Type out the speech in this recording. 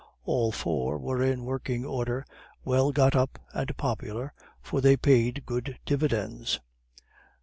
All four were in working order, well got up and popular, for they paid good dividends.